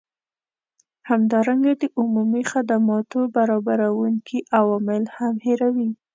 همدارنګه د عمومي خدماتو برابروونکي عوامل هم هیروي